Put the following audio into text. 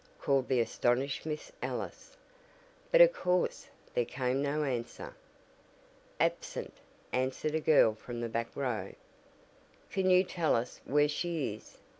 called the astonished Miss Ellis, but of course there came no answer. "Absent!" answered a girl from the back row. "Can you tell us where she is?"